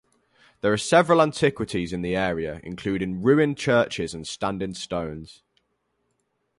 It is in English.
There are several antiquities in the area, including ruined churches and standing stones.